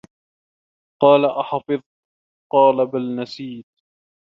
قَالَ أَحَفِظْت ؟ قَالَ بَلْ نَسِيتُ